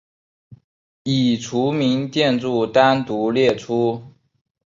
已除名建筑单独列出。